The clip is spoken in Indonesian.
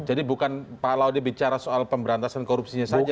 jadi bukan pak laude bicara soal pemberantasan korupsinya saja